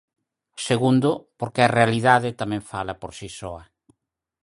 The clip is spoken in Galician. Segundo, porque a realidade tamén fala por si soa.